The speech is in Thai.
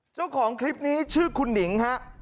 เจ้าของคลิปนี้ชื่อคุณหนิงฮะ